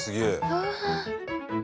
うわ！